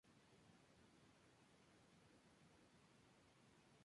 Fue la primera de las estatuas que se realizó.